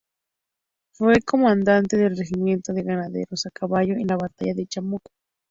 Fue comandante del Regimiento de Granaderos a Caballo en la batalla de Chacabuco.